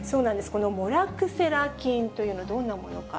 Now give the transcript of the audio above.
このモラクセラ菌というのは、どんなものか。